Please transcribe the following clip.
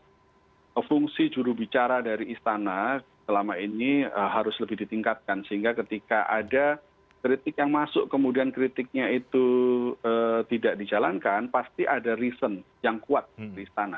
nah fungsi jurubicara dari istana selama ini harus lebih ditingkatkan sehingga ketika ada kritik yang masuk kemudian kritiknya itu tidak dijalankan pasti ada reason yang kuat di istana